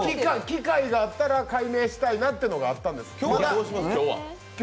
機会があったら改名したいなってのがあったんです。